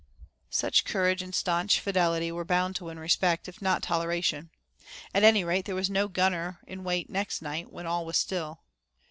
Such courage and stanch fidelity were bound to win respect, if not toleration. At any rate, there was no gunner in wait next night, when all was still.